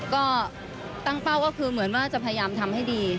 ก็ตั้งเป้าก็คือเหมือนว่าจะพยายามทำให้ดี